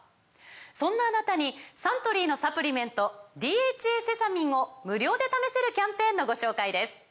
そんなあなたにサントリーのサプリメント「ＤＨＡセサミン」を無料で試せるキャンペーンのご紹介です